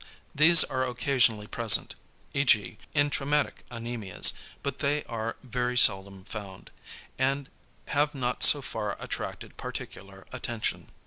= These are occasionally present, e.g. in traumatic anæmias, but they are very seldom found, and have not so far attracted particular attention.